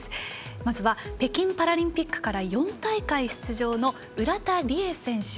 まずは北京パラリンピックから４大会出場の浦田理恵選手。